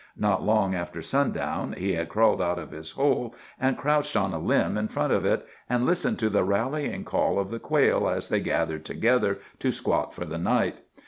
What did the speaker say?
Not long after sundown he had crawled out of his hole and crouched on the limb in front of it, and listened to the rallying call of the quail as they gathered together to squat for the night.